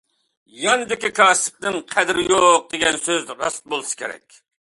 «ياندىكى كاسىپنىڭ قەدرى يوق» دېگەن سۆز راست بولسا كېرەك.